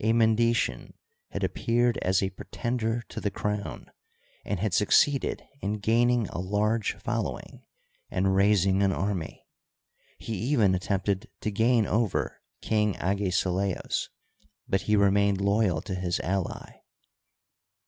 A Mendesian had appeared as a pretender to the crown, and had succeeded in gaining a large following and raising an army. He even attempted Digitized byCjOOQlC 152 , HISTORY OF EGYPT. to gain over King Agesilaos, but he remained loyal to hid ally.